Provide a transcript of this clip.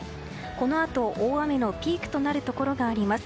このあと、大雨のピークとなるところがあります。